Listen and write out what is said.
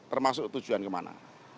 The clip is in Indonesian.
termasuk tujuan kemana